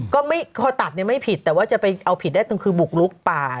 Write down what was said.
ก็ไม่พอตัดเนี่ยไม่ผิดแต่ว่าจะไปเอาผิดได้ตรงคือบุกลุกป่า